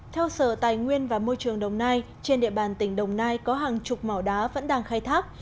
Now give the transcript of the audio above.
theo sở tài nguyên và môi trường đồng nai trên địa bàn tỉnh đồng nai có hàng chục mỏ đá vẫn đang khai thác